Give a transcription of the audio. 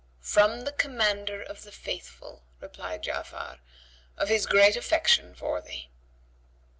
"From the Commander of the Faithful," replied Ja'afar, "of his great affection for thee."